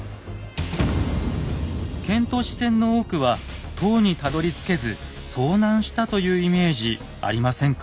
遣唐使船の多くは唐にたどりつけず遭難したというイメージありませんか？